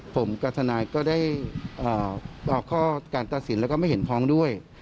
ผมกับทนายได้เอาข้อการตราศิลป์และไม่เห็นพ้องด้วย